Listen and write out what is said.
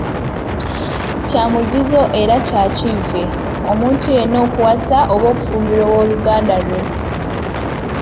"Kya muzizo era kya kivve, omuntu yenna okuwasa oba okufumbirwa ow’oluganda lwe."